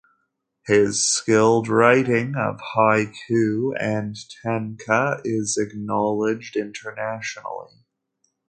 His skilled writing of haiku and "tanka" is acknowledged internationally.